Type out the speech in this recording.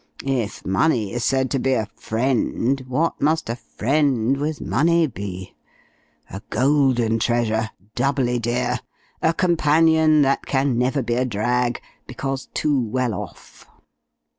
_ If 'money' is said to be a 'friend,' what must a friend with money be? A golden treasure, doubly dear a companion that can never be a drag, because too well off."